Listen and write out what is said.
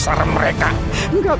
pak arswendi maaf